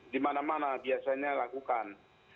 di mana mana biasanya lakukan